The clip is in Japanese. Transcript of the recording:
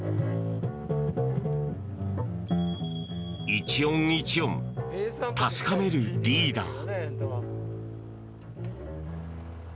一音一音、確かめるリーダー。